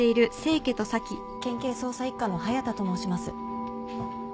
県警捜査一課の隼田と申します。